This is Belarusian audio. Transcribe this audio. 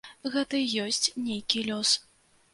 Гэта і ёсць нейкі лёс.